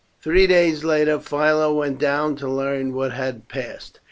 Three days later Philo went down to learn what had passed.